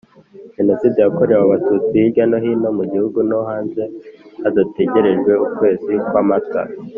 Jenoside yakorewe abatutsi hirya no hino mu gihugu no hanze hadategerejwe ukwezi kwa mata